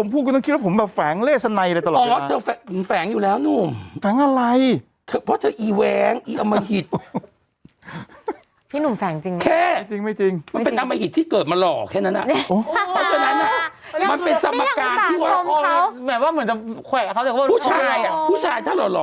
คุณต้องทิ่งที่ผมพูด